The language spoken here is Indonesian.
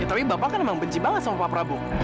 tapi bapak kan emang benci banget sama pak prabowo